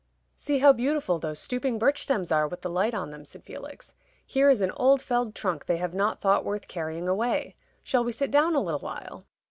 "See how beautiful those stooping birch stems are with the light on them!" said Felix. "Here is an old felled trunk they have not thought worth carrying away. Shall we sit down a little while?"